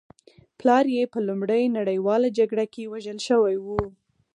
پلار یې په لومړۍ نړۍواله جګړه کې وژل شوی و